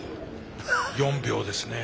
４秒ですね。